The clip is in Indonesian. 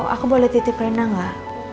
aku boleh titip rena gak